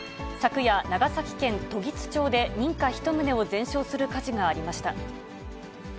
昨夜、長崎県時津町で民家１棟を全焼する火事がありました。